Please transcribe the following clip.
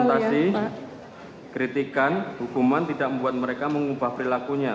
konsultasi kritikan hukuman tidak membuat mereka mengubah perilakunya